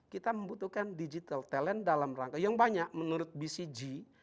kita membutuhkan digital talent dalam rangka yang banyak menurut bcg